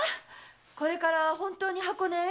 これから本当に箱根へ？